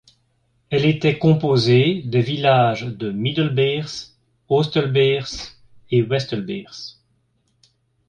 Elle était composée des villages de Middelbeers, Oostelbeers et Westelbeers.